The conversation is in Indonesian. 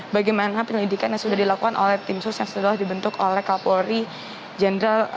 bagaimana penyelidikan yang sudah dilakukan oleh tim sus yang sudah dibentuk oleh kapolri jenderal